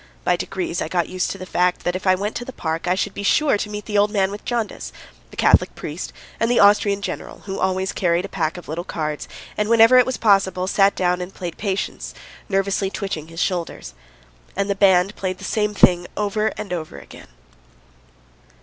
By degrees I got used to the fact that if I went into the park I should be sure to meet the old man with jaundice, the Catholic priest, and the Austrian General, who always carried a pack of little cards, and wherever it was possible sat down and played patience, nervously twitching his shoulders. And the band played the same thing over and over again.